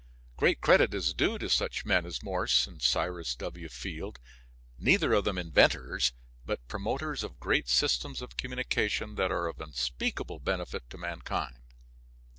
Great credit is due to such men as Morse and Cyrus W. Field neither of them inventors, but promoters of great systems of communication that are of unspeakable benefit to mankind.